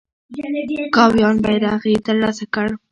کاویان بیرغ یې تر لاسه کړ.